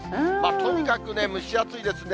とにかくね、蒸し暑いですね。